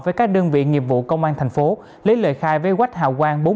với các đơn vị nghiệp vụ công an thành phố lấy lời khai với quách hào quang